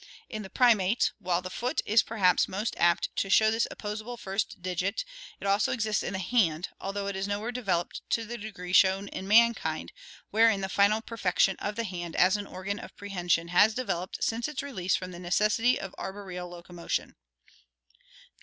In the primates, while the foot is perhaps most apt to show this opposable first digit, it also exists in the hand, although it is nowhere developed to the degree shown in mankind, wherein the final perfection of the hand as an organ of prehension has developed since its release from the necessity of arboreal locomotion.